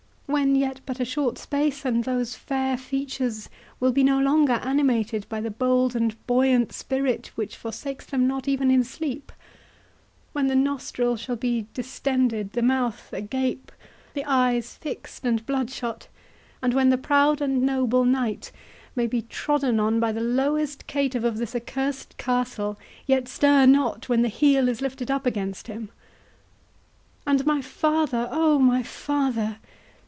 —When yet but a short space, and those fair features will be no longer animated by the bold and buoyant spirit which forsakes them not even in sleep!—When the nostril shall be distended, the mouth agape, the eyes fixed and bloodshot; and when the proud and noble knight may be trodden on by the lowest caitiff of this accursed castle, yet stir not when the heel is lifted up against him!—And my father!—oh, my father!